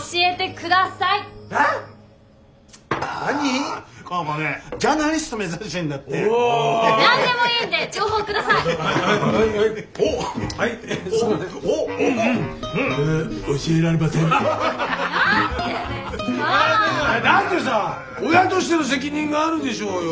だってさ親としての責任があるでしょうよ。